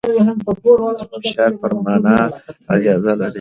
فشار پر مانا اغېز لري.